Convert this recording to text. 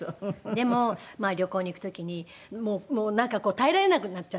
でもう旅行に行く時にもうなんか耐えられなくなっちゃって自分でも。